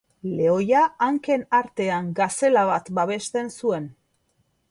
Lehoia hanken artean gazela bat babesten zuen.